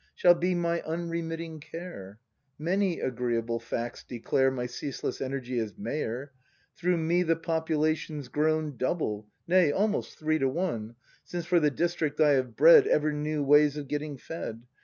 Shall be my unremitting care. Many agreeable facts declare My ceaseless energy as mayor, — Through me the population's grown Double, nay, almost three to one. Since for the district I have bred Ever new ways of getting fed.